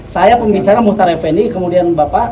saya pembicara muhtar effendi kemudian bapak